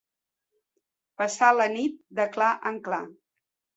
Passar la nit de clar en clar.